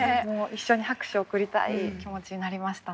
一緒に拍手を送りたい気持ちになりましたね。